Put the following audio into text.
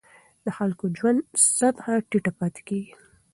د خلکو د ژوند سطحه ټیټه پاتې کېږي.